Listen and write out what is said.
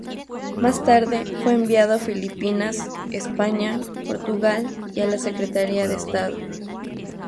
Más tarde fue enviado a Filipinas, España, Portugal y a la Secretaría de Estado.